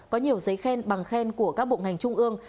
có nhiều giấy khen bằng khen của các bộ ngành trung ương